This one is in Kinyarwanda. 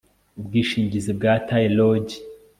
ubwishingizi bwa tae lodge